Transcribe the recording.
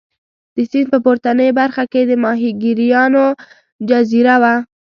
د سیند په پورتنۍ برخه کې د ماهیګیرانو جزیره وه.